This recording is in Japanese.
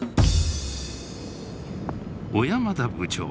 小山田部長